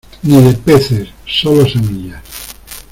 ni de peces, solo semillas.